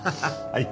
はい。